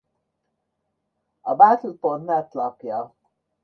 A Battle.net lapja